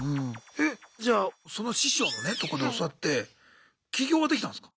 えじゃあその師匠のねとこで教わって起業はできたんすか？